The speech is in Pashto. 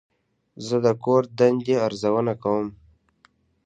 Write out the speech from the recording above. زه د کور دندې ارزونه کوم.